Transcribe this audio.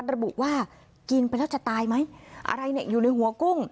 ระบุว่ากินไปแล้วจะตายไหมอะไรเนี่ยอยู่ในหัวกุ้ง